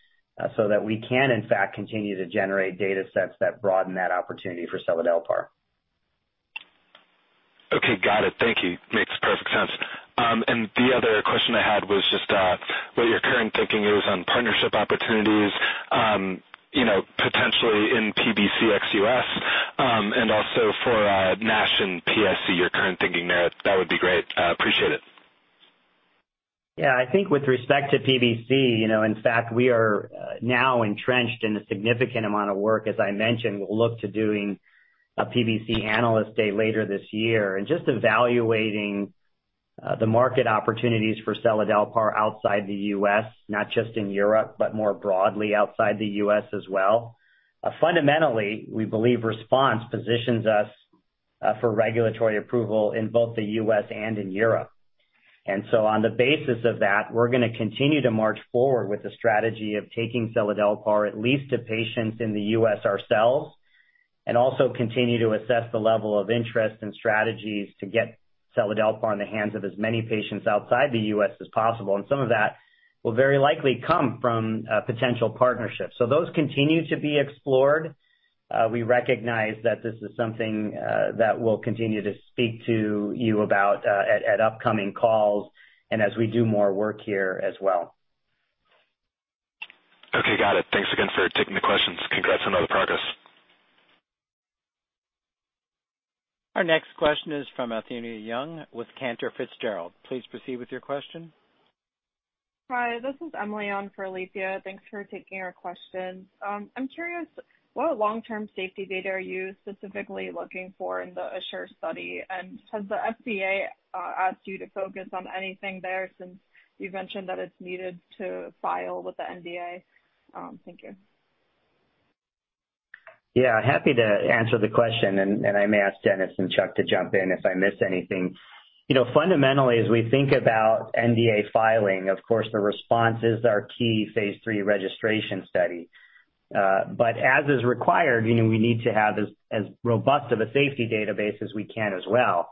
so that we can in fact, continue to generate data sets that broaden that opportunity for seladelpar. Okay. Got it. Thank you. Makes perfect sense. The other question I had was just what your current thinking is on partnership opportunities potentially in PBC ex U.S., and also for NASH and PSC, your current thinking there. That would be great. Appreciate it. I think with respect to PBC, in fact, we are now entrenched in a significant amount of work. As I mentioned, we'll look to doing a PBC Analyst Day later this year and just evaluating the market opportunities for seladelpar outside the U.S., not just in Europe, but more broadly outside the U.S. as well. Fundamentally, we believe RESPONSE positions us for regulatory approval in both the U.S. and in Europe. On the basis of that, we're going to continue to march forward with the strategy of taking seladelpar at least to patients in the U.S. ourselves, and also continue to assess the level of interest and strategies to get seladelpar in the hands of as many patients outside the U.S. as possible, and some of that will very likely come from potential partnerships. Those continue to be explored. We recognize that this is something that we'll continue to speak to you about at upcoming calls, and as we do more work here as well. Okay. Got it. Thanks again for taking the questions. Congrats on all the progress. Our next question is from Alethia Young with Cantor Fitzgerald. Please proceed with your question. Hi, this is Emily on for AlethIa. Thanks for taking our question. I'm curious, what long-term safety data are you specifically looking for in the ASSURE study? Has the FDA asked you to focus on anything there, since you've mentioned that it's needed to file with the NDA? Thank you. Happy to answer the question, and I may ask Dennis and Chuck to jump in if I miss anything. Fundamentally, as we think about NDA filing, of course, the RESPONSE is our key phase III registration study. As is required, we need to have as robust of a safety database as we can as well.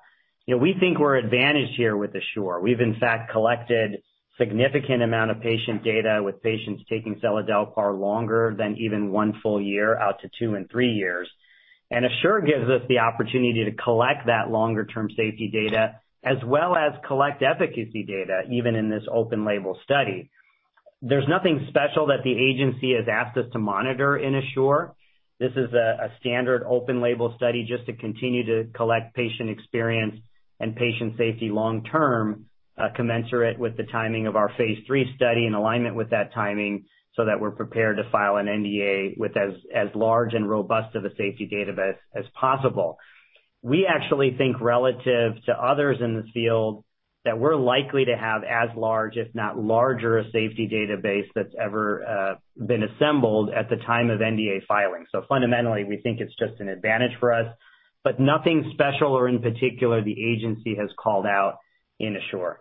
We think we're advantaged here with ASSURE. We've in fact collected significant amount of patient data with patients taking seladelpar longer than even one full year out to two and three years. ASSURE gives us the opportunity to collect that longer-term safety data as well as collect efficacy data even in this open label study. There's nothing special that the agency has asked us to monitor in ASSURE. This is a standard open label study just to continue to collect patient experience and patient safety long term, commensurate with the timing of our phase III study in alignment with that timing so that we're prepared to file an NDA with as large and robust of a safety database as possible. We actually think relative to others in this field that we're likely to have as large, if not larger, a safety database that's ever been assembled at the time of NDA filing. Fundamentally, we think it's just an advantage for us, but nothing special or in particular the agency has called out in ASSURE.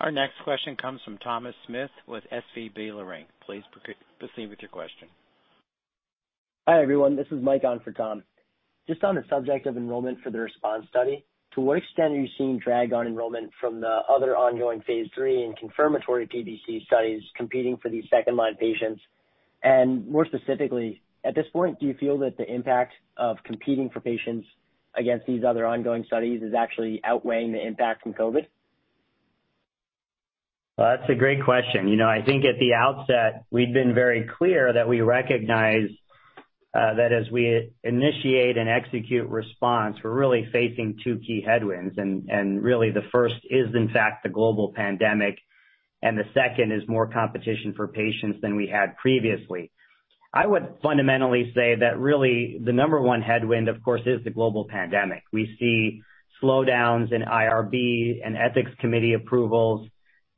Our next question comes from Thomas Smith with SVB Leerink. Please proceed with your question. Hi, everyone. This is Mike on for Tom. Just on the subject of enrollment for the RESPONSE study, to what extent are you seeing drag on enrollment from the other ongoing phase III and confirmatory PBC studies competing for these second-line patients? More specifically, at this point, do you feel that the impact of competing for patients against these other ongoing studies is actually outweighing the impact from COVID? That's a great question. I think at the outset, we've been very clear that we recognize that as we initiate and execute RESPONSE, we're really facing two key headwinds, and really the first is, in fact, the global pandemic, and the second is more competition for patients than we had previously. The number one headwind, of course, is the global pandemic. We see slowdowns in IRB and ethics committee approvals.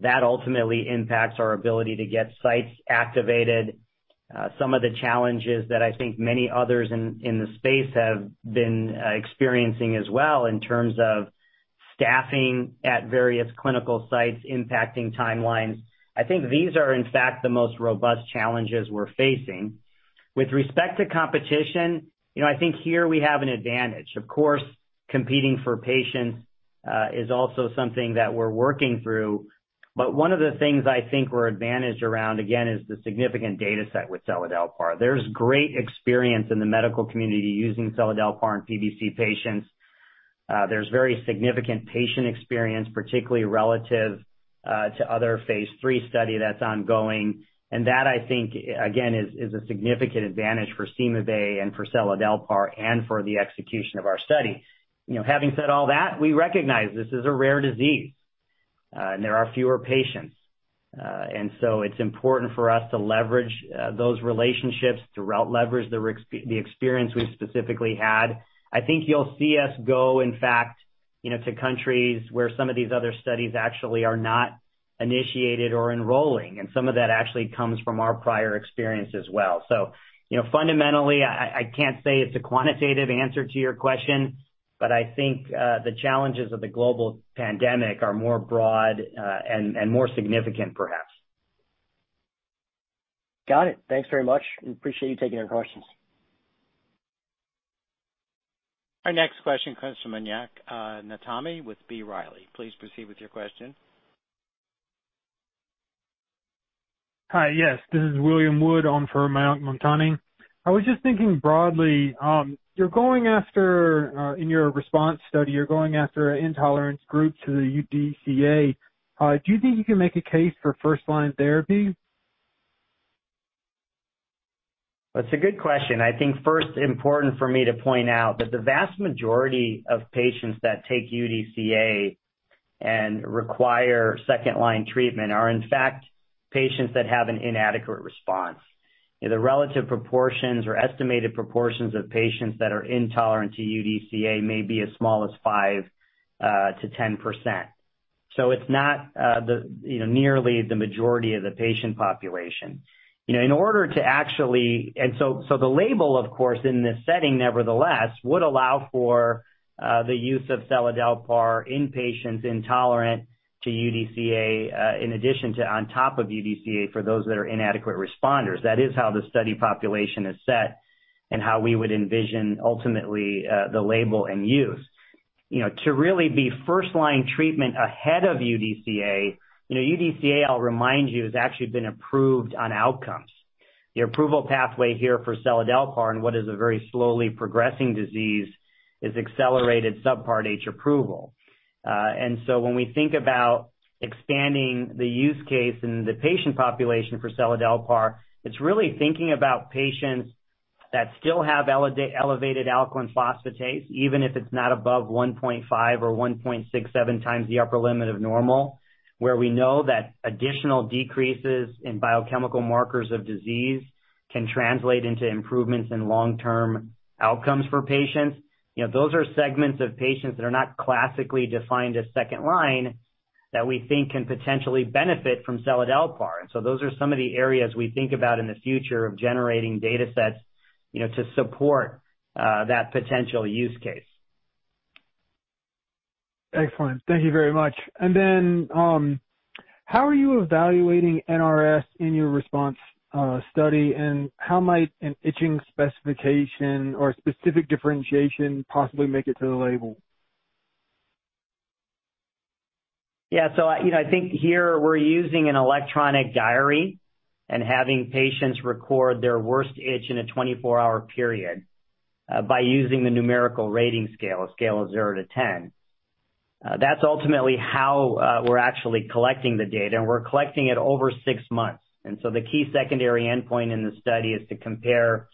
That ultimately impacts our ability to get sites activated. Some of the challenges that I think many others in the space have been experiencing as well in terms of staffing at various clinical sites impacting timelines. I think these are, in fact, the most robust challenges we're facing. With respect to competition, I think here we have an advantage. Of course, competing for patients is also something that we're working through. One of the things I think we're advantaged around, again, is the significant data set with seladelpar. There's great experience in the medical community using seladelpar in PBC patients. There's very significant patient experience, particularly relative to other phase III study that's ongoing. That, I think, again, is a significant advantage for CymaBay and for seladelpar and for the execution of our study. Having said all that, we recognize this is a rare disease, and there are fewer patients. It's important for us to leverage those relationships, to leverage the experience we've specifically had. I think you'll see us go, in fact, to countries where some of these other studies actually are not initiated or enrolling, and some of that actually comes from our prior experience as well. Fundamentally, I can't say it's a quantitative answer to your question, but I think the challenges of the global pandemic are more broad and more significant, perhaps. Got it. Thanks very much. We appreciate you taking our questions. Our next question comes from Mayank Mamtani with B. Riley. Please proceed with your question. Hi. Yes, this is William Wood on for Mayank Mamtani. I was just thinking broadly, in your RESPONSE study, you're going after an intolerance group to the UDCA. Do you think you can make a case for first-line therapy? That's a good question. I think first important for me to point out that the vast majority of patients that take UDCA and require second-line treatment are, in fact, patients that have an inadequate response. The relative proportions or estimated proportions of patients that are intolerant to UDCA may be as small as 5%-10%. It's not nearly the majority of the patient population. The label, of course, in this setting, nevertheless, would allow for the use of seladelpar in patients intolerant to UDCA, in addition to on top of UDCA for those that are inadequate responders. That is how the study population is set and how we would envision ultimately the label and use. To really be first-line treatment ahead of UDCA, I'll remind you, has actually been approved on outcomes. The approval pathway here for seladelpar and what is a very slowly progressing disease is accelerated Subpart H approval. When we think about expanding the use case and the patient population for seladelpar, it's really thinking about patients that still have elevated alkaline phosphatase, even if it's not above 1.5x or 1.67x the upper limit of normal, where we know that additional decreases in biochemical markers of disease can translate into improvements in long-term outcomes for patients. Those are segments of patients that are not classically defined as second-line that we think can potentially benefit from seladelpar. Those are some of the areas we think about in the future of generating datasets to support that potential use case. Excellent. Thank you very much. How are you evaluating NRS in your RESPONSE study, and how might an itching specification or specific differentiation possibly make it to the label? Yeah. I think here we're using an electronic diary and having patients record their worst itch in a 24-hour period by using the numerical rating scale, a scale of 0-10. That's ultimately how we're actually collecting the data, and we're collecting it over six months. The key secondary endpoint in the study is to compare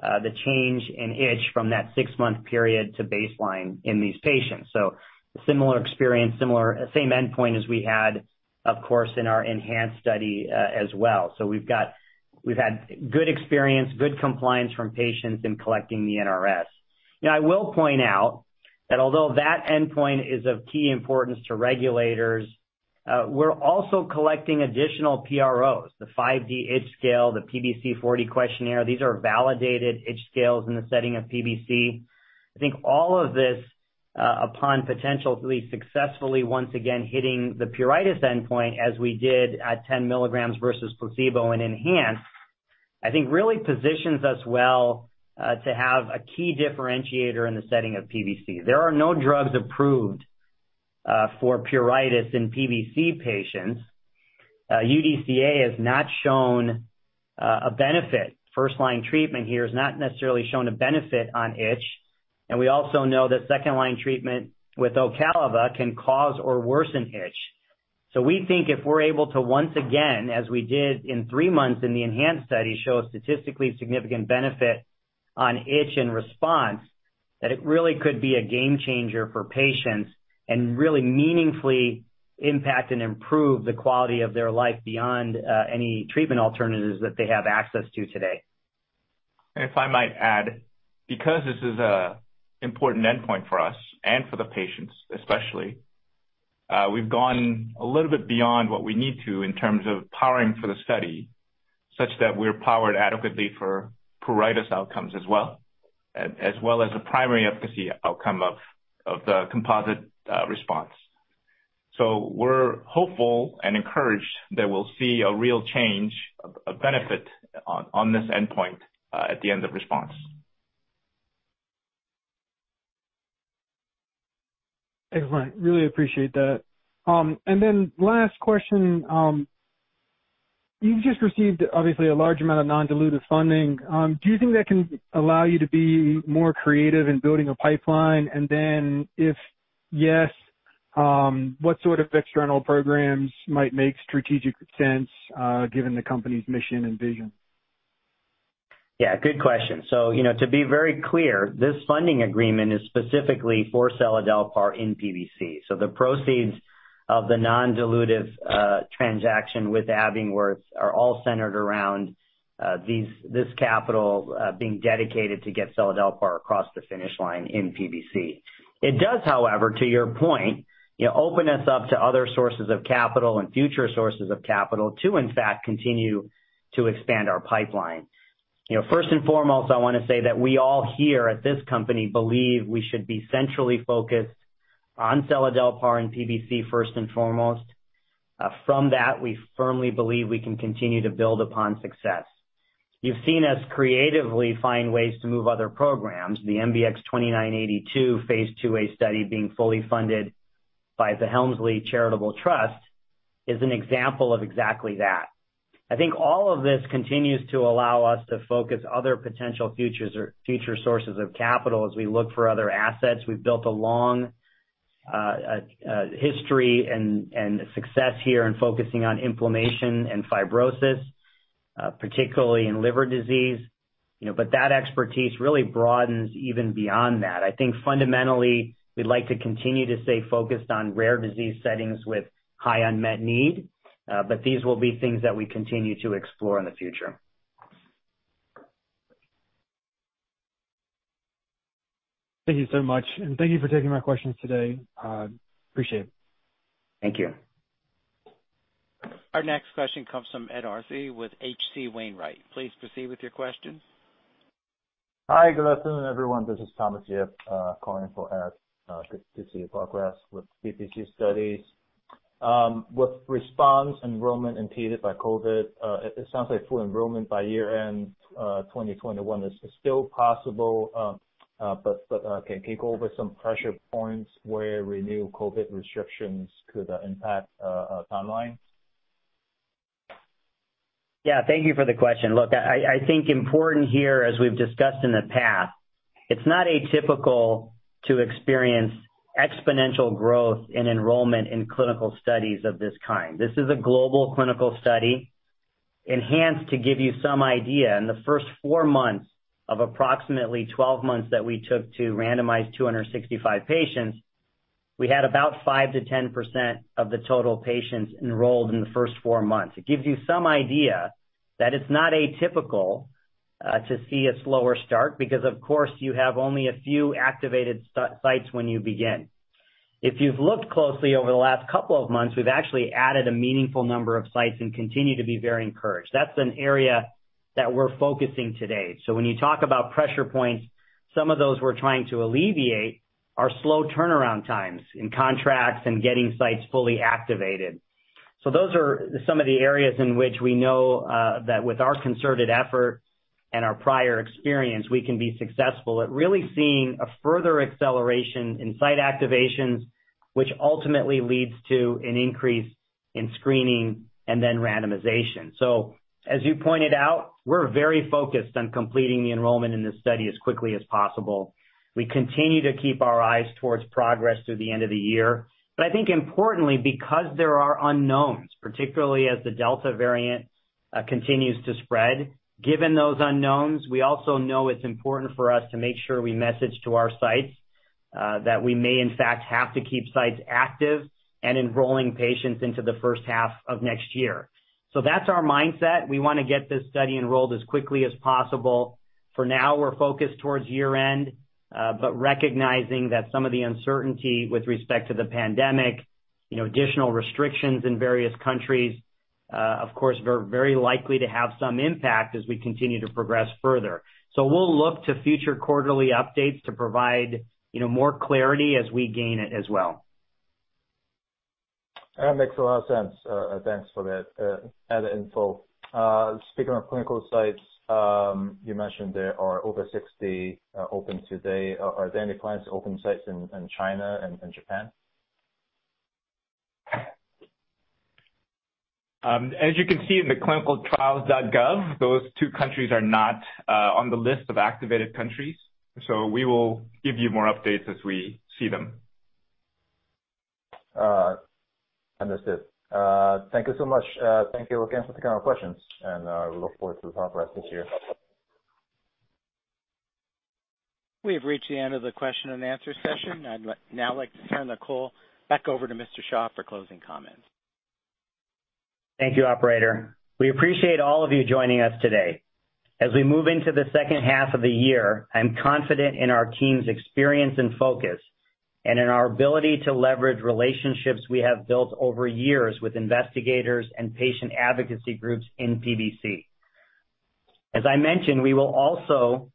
the change in itch from that six-month period to baseline in these patients. Similar experience, same endpoint as we had, of course, in our ENHANCE study as well. We've had good experience, good compliance from patients in collecting the NRS. I will point out that although that endpoint is of key importance to regulators, we're also collecting additional PROs, the 5-D itch scale, the PBC-40 questionnaire. These are validated itch scales in the setting of PBC. I think all of this, upon potential to be successfully once again hitting the pruritus endpoint as we did at 10 mg versus placebo in ENHANCE, I think really positions us well to have a key differentiator in the setting of PBC. There are no drugs approved for pruritus in PBC patients. UDCA has not shown a benefit. First-line treatment here has not necessarily shown a benefit on itch. We also know that second-line treatment with OCALIVA can cause or worsen itch. We think if we're able to once again, as we did in three months in the ENHANCE study, show a statistically significant benefit on itch in RESPONSE, that it really could be a game changer for patients and really meaningfully impact and improve the quality of their life beyond any treatment alternatives that they have access to today. If I might add, because this is an important endpoint for us and for the patients, especially, we've gone a little bit beyond what we need to in terms of powering for the study, such that we're powered adequately for pruritus outcomes as well, as well as the primary efficacy outcome of the composite response. We're hopeful and encouraged that we'll see a real change, a benefit on this endpoint at the end of RESPONSE. Excellent. Really appreciate that. Last question. You've just received, obviously, a large amount of non-dilutive funding. Do you think that can allow you to be more creative in building a pipeline? If yes, what sort of external programs might make strategic sense given the company's mission and vision? Yeah, good question. To be very clear, this funding agreement is specifically for seladelpar in PBC. The proceeds of the non-dilutive transaction with Abingworth are all centered around this capital being dedicated to get seladelpar across the finish line in PBC. It does, however, to your point, open us up to other sources of capital and future sources of capital to, in fact, continue to expand our pipeline. First and foremost, I want to say that we all here at this company believe we should be centrally focused on seladelpar and PBC first and foremost. From that, we firmly believe we can continue to build upon success. You've seen us creatively find ways to move other programs. The MBX-2982 Phase II-A study being fully funded by the Helmsley Charitable Trust is an example of exactly that. I think all of this continues to allow us to focus other potential future sources of capital as we look for other assets. We've built a long history and success here in focusing on inflammation and fibrosis, particularly in liver disease. That expertise really broadens even beyond that. I think fundamentally, we'd like to continue to stay focused on rare disease settings with high unmet need, but these will be things that we continue to explore in the future. Thank you so much, and thank you for taking my questions today. Appreciate it. Thank you. Our next question comes from Ed Arce with H.C. Wainwright. Please proceed with your question. Hi, good afternoon, everyone. This is Thomas Yip, calling for Ed Arce to see progress with PBC studies. With RESPONSE enrollment impeded by COVID, it sounds like full enrollment by year end 2021 is still possible. Can you go over some pressure points where new COVID restrictions could impact timelines? Yeah. Thank you for the question. Look, I think important here, as we've discussed in the past, it's not atypical to experience exponential growth in enrollment in clinical studies of this kind. This is a global clinical study. ENHANCE, to give you some idea, in the first four months of approximately 12 months that we took to randomize 265 patients, we had about 5%-10% of the total patients enrolled in the first four months. It gives you some idea that it's not atypical to see a slower start because, of course, you have only a few activated sites when you begin. If you've looked closely over the last couple of months, we've actually added a meaningful number of sites and continue to be very encouraged. That's an area that we're focusing today. When you talk about pressure points, some of those we're trying to alleviate are slow turnaround times in contracts and getting sites fully activated. Those are some of the areas in which we know that with our concerted effort and our prior experience, we can be successful at really seeing a further acceleration in site activations, which ultimately leads to an increase in screening and then randomization. As you pointed out, we're very focused on completing the enrollment in this study as quickly as possible. We continue to keep our eyes towards progress through the end of the year. I think importantly, because there are unknowns, particularly as the Delta variant continues to spread. Given those unknowns, we also know it's important for us to make sure we message to our sites that we may in fact have to keep sites active and enrolling patients into the first half of next year. That's our mindset. We want to get this study enrolled as quickly as possible. For now, we're focused towards year end, but recognizing that some of the uncertainty with respect to the pandemic, additional restrictions in various countries, of course, very likely to have some impact as we continue to progress further. We'll look to future quarterly updates to provide more clarity as we gain it as well. That makes a lot of sense. Thanks for that added info. Speaking of clinical sites, you mentioned there are over 60 open today. Are there any plans to open sites in China and Japan? As you can see in the ClinicalTrials.gov, those 2 countries are not on the list of activated countries. We will give you more updates as we see them. Understood. Thank you so much. Thank you again for taking our questions, and we look forward to the progress this year. We have reached the end of the question and answer session. I'd now like to turn the call back over to Mr. Shah for closing comments. Thank you, operator. We appreciate all of you joining us today. As we move into the second half of the year, I'm confident in our team's experience and focus and in our ability to leverage relationships we have built over years with investigators and patient advocacy groups in PBC. As I mentioned, we will also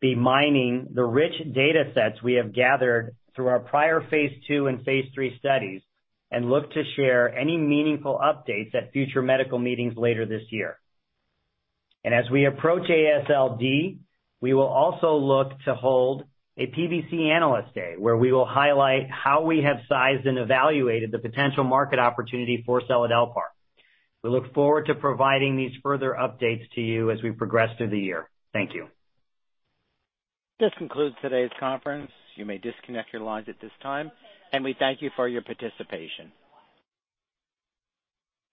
be mining the rich data sets we have gathered through our prior phase II and phase III studies and look to share any meaningful updates at future medical meetings later this year. As we approach AASLD, we will also look to hold a PBC Analyst Day, where we will highlight how we have sized and evaluated the potential market opportunity for seladelpar. We look forward to providing these further updates to you as we progress through the year. Thank you. This concludes today's conference. You may disconnect your lines at this time, and we thank you for your participation.